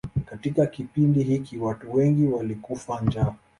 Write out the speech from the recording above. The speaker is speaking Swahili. Katika kipindi hiki watu wengi walikufa njaa.